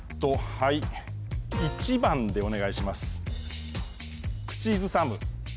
はい１番でお願いします